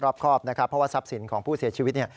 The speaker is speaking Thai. รอบครอบนะครับเพราะว่าทรัพย์สินของผู้เสียชีวิตเนี่ย